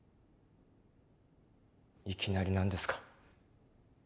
いきなり何ですか？